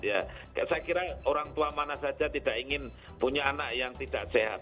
saya kira orang tua mana saja tidak ingin punya anak yang tidak sehat